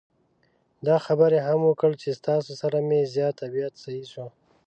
دا خبره یې هم وکړه چې ستاسو سره مې زیات طبعیت سهی شو.